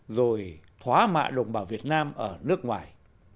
rồi thoái mạ đồng bào việt nam ở nước ngoài